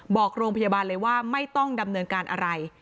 บอกโรงพยาบาลเลยว่าไม่ต้องดำเนินการอะไร